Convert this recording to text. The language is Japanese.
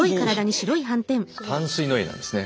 淡水のエイなんですね。